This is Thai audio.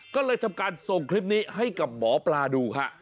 ก็เลยทำการส่งคลิปนี้ให้กับหมอปลาดูค่ะ